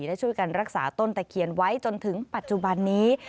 และช่วยกันรักษาต้นตะเคียนไว้จนถึงปัจจุบันนี้